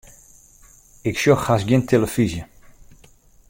Ik sjoch hast gjin telefyzje.